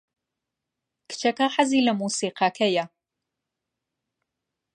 کچەکە حەزی لە مۆسیقاکەیە.